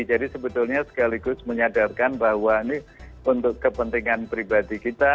jadi sebetulnya sekaligus menyadarkan bahwa ini untuk kepentingan pribadi kita